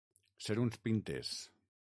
Ser uns pintes.